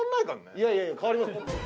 いやいや変わります。